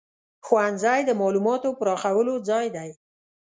ښوونځی د معلوماتو پراخولو ځای دی.